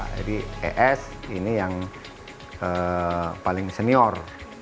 jadi es ini yang paling senior